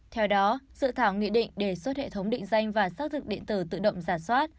theo đó dự thảo nghị định đề xuất hệ thống định danh và xác thực điện tử tự động giả soát